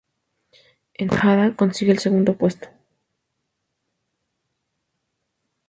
Ennahda consigue el segundo puesto.